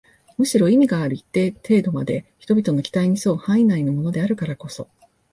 むしろ意味がある一定程度まで人々の期待に添う範囲内のものであるからこそ